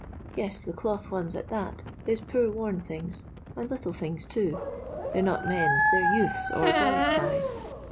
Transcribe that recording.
Yes, the cloth ones at that is poor worn things, and little things too. They 're not men's, they 're youth's or boy's size.